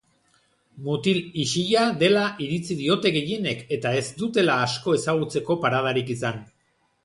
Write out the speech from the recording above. Mutil isila dela iritzi diote gehienek eta ez dutela asko ezagutzeko paradarik izan.